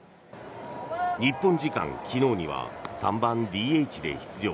日本時間昨日には３番ＤＨで出場。